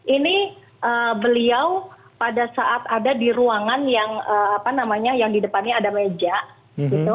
ini beliau pada saat ada di ruangan yang apa namanya yang di depannya ada meja gitu